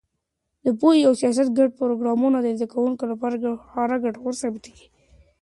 د پوهنې او سیاحت ګډ پروګرامونه د زده کوونکو لپاره خورا ګټور ثابتېږي.